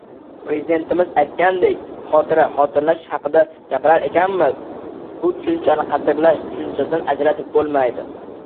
Prezidentimiz aytganidek: «Xotira, xotirlash hakida gapirar ekanmiz, bu tushunchani qadrlash tushunchasidan ajratib bo‘lmaydi